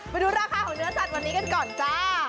ไปดูราคาของเนื้อสัตว์วันนี้กันก่อนจ้า